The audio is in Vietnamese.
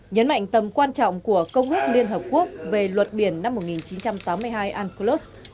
nhấn mạnh tầm quan trọng của công ước liên hợp quốc về luật biển năm một nghìn chín trăm tám mươi hai unclos